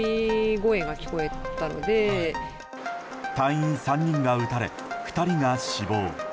隊員３人が撃たれ２人が死亡。